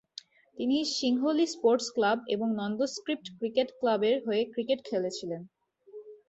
তিনি Sinhalese sports club এবং Nondescripts cricket ক্লাবের হয়ে ক্রিকেট খেলেছিলেন।